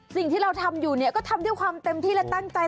สิ่งที่เราทำอยู่เนี่ยก็ทำด้วยความเต็มที่และตั้งใจ